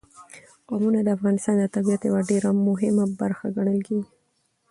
قومونه د افغانستان د طبیعت یوه ډېره مهمه برخه ګڼل کېږي.